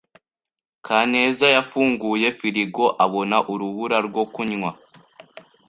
Kaneza yafunguye firigo abona urubura rwo kunywa.